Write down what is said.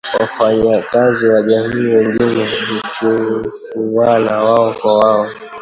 wafanyakazi wa jamii zingine huchukuwana wao kwa wao